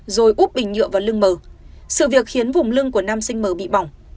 rồi úp bình nhựa vào lưng mở sự việc khiến vùng lưng của năm sinh mở bị bỏng